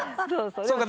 そうか。